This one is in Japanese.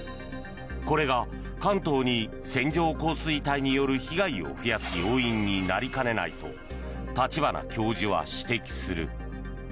これが関東に、線状降水帯による被害を増やす要因になりかねないと立花教授は指摘する。